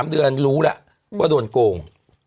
๓เดือนรู้แล้วว่าโดนโกง